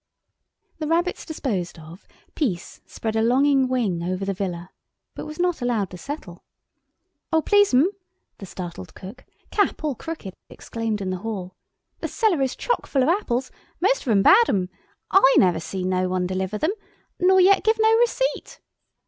The rabbits disposed of, peace spread a longing wing over the villa, but was not allowed to settle. "Oh, please 'm," the startled cook, cap all crooked, exclaimed in the hall, "the cellar is choke full of apples—most of 'em bad 'm—I never see no one deliver them, nor yet give no receipt."